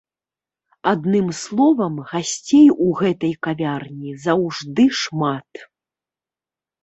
Адным словам, гасцей у гэтай кавярні заўжды шмат.